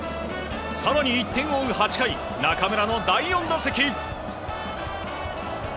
更に１点を追う８回中村の第４打席。